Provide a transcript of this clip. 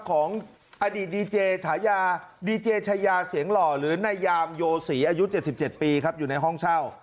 ของอดีตดีเจฉายาดีเจชายาเสียงหล่อหรือนายยามโยศรีอายุ๗๗ปีครับอยู่ในห้องเช่า